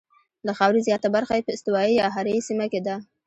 د خاورې زیاته برخه یې په استوایي یا حاره یې سیمه کې ده.